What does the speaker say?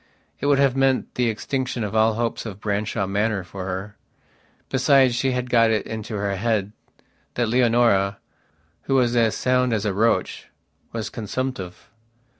It would have meant the extinction of all hopes of Branshaw Manor for her. Besides she had got it into her head that Leonora, who was as sound as a roach, was consumptive.